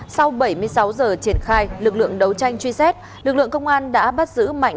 sau bảy mươi sáu giờ triển khai lực lượng đấu tranh truy xét lực lượng công an đã bắt giữ mạnh